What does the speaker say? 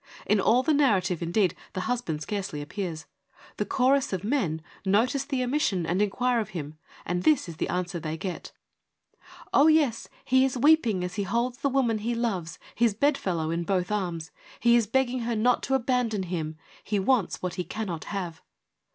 In all the narrative, indeed, the husband scarcely appears. The chorus THE FOUR FEMINIST PLAYS 131 — of men — notice the omission and enquire of him, and this is the answer they get :' Oh, yes he is weeping as he holds the woman he loves, his bedfellow, in both arms. He is begging her not to abandon him : he wants what he cannot have.'